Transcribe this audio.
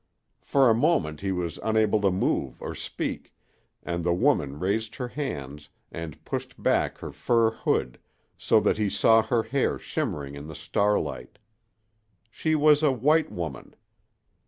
For a moment he was unable to move or speak, and the woman raised her hands and pushed back her fur hood so that he saw her hair shimmering in the starlight. She was a white woman.